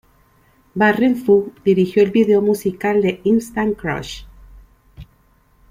Warren Fu dirigió el vídeo musical de "Instant Crush".